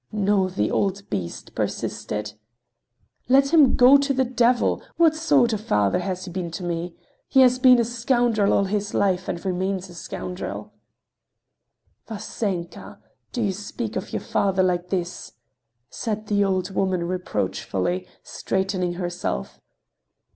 No, the old beast persisted—" "Let him go to the devil! What sort of father has he been to me? He has been a scoundrel all his life, and remains a scoundrel!" "Vasenka! Do you speak of your father like this?" said the old woman reproachfully, straightening herself.